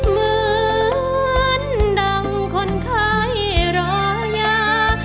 เหมือนดังคนไข้รอยา